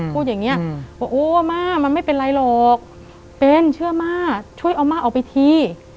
พูดอย่างนี้ว่าโอ้ม่ามันไม่เป็นไรหรอกเป็นเชื่อม่าช่วยเอาม่าออกไปที